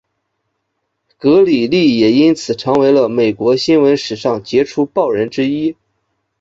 格里利也因此成为了美国新闻史上杰出报人之一。